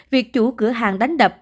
việc chủ cửa hàng đánh đập